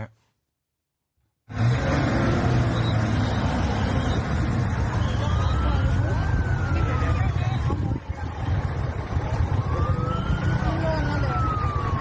นี่คือสายเอเชียค่ะร่องเท้านี่คือสายเอเชียค่ะ